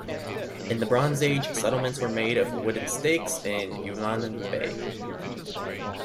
In the Bronze Age, settlements were made of wooden stakes in Yvonand bay.